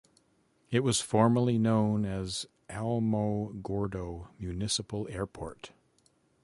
It was formerly known as Alamogordo Municipal Airport.